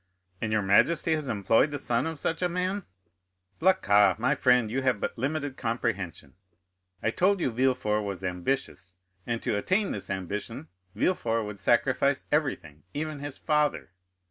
"And your majesty has employed the son of such a man?" "Blacas, my friend, you have but limited comprehension. I told you Villefort was ambitious, and to attain this ambition Villefort would sacrifice everything, even his father."